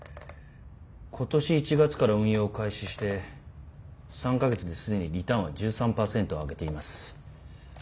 今年１月から運用を開始して３か月で既にリターンは１３％上げています。